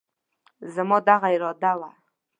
زما دغه اراده وه،